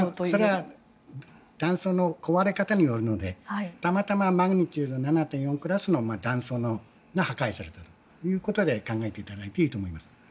それは断層の壊れ方によるのでたまたまマグニチュード７．４クラスの断層が破壊されたということで考えていただいていいと思います。